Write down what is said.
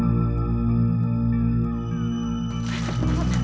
terima kasih pak